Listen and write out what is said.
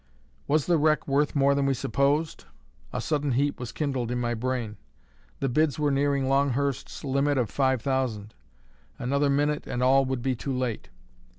Was the wreck worth more than we supposed? A sudden heat was kindled in my brain; the bids were nearing Longhurst's limit of five thousand; another minute, and all would be too late.